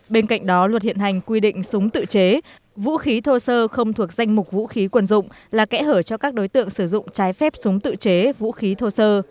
bên cạnh đó luật hiện hành quy định súng tự chế vũ khí thô sơ không thuộc danh mục vũ khí quần dụng là kẽ hở cho các đối tượng sử dụng trái phép súng tự chế vũ khí thô sơ